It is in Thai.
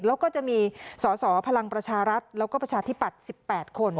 แล้วก็จะมีสอสอพลังประชารัฐแล้วก็ประชาธิปัตย์๑๘คน